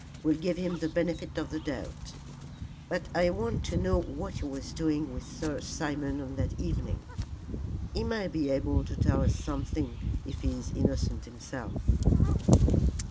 We'll give him the benefit of the doubt. But I want to know what he was doing with Sir Simon on that evening. He may be able to tell us something if he is innocent himself."